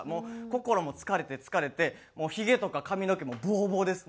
心も疲れて疲れてひげとか髪の毛もボーボーです。